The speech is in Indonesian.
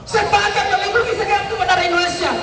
sebagai melindungi segera tuhan dari indonesia